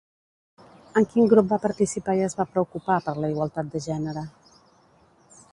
En quin grup va participar i es va preocupar per la igualtat de gènere?